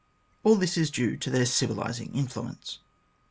All this is due to their civilising influence."